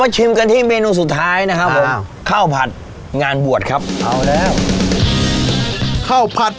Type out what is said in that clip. ผัดให้กับแขกที่มางานบวดได้รับประทาน